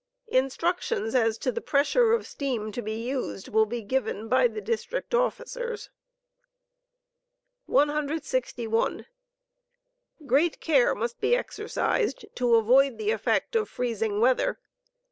Instructions as to the pressnre of steam to be used will be given by the dis *'«••«*•<* triot officers. atMm 161. Great care must be exercised to avoid the effect of freezing weather.